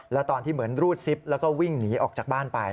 แล้วตอนที่เหมือนรูดซิปแล้วก็วิ่งหนีออกจากบ้านไป